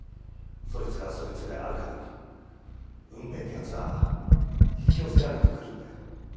そいつがそいつである限り運命ってやつは引き寄せられてくるんだよ。